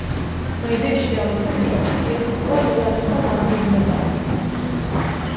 Ma jidhirx li hawn aktar mistoqsijiet u allura nistgħu nagħlqu din il-laqgħa.